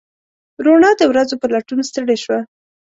روڼا د ورځو په لټون ستړې شوه